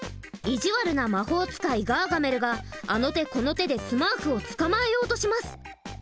意地悪な魔法使いガーガメルがあの手この手でスマーフをつかまえようとします。